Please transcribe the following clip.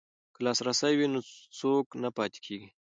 که لاسرسی وي نو څوک نه پاتې کیږي.